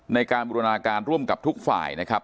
ในการบูรณาการร่วมกับทุกฝ่ายนะครับ